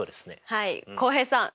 はい浩平さん